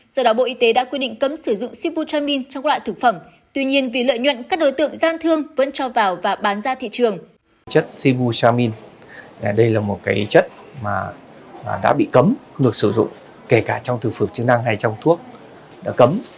do đó bộ y tế đã quyết định cấm sử dụng siputramine trong các loại thực phẩm